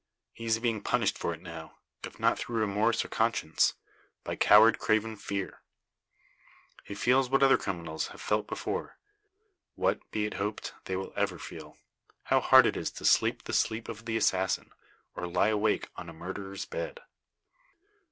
He is being punished for it now; if not through remorse of conscience, by coward craven fear. He feels what other criminals have felt before what, be it hoped, they will ever feel how hard it is to sleep the sleep of the assassin, or lie awake on a murderer's bed.